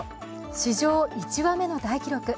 史上１羽目の大記録